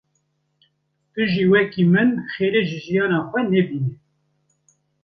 Tu jî wekî min xêrê ji jiyana xwe nebînî.